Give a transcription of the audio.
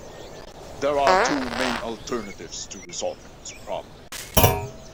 There are two main alternatives to resolving this problem.